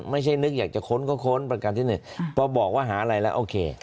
ไม่ใช่นึกอยากจะค้นก็ค้นประกันที่หนึ่งพอบอกว่าหาอะไรแล้วโอเค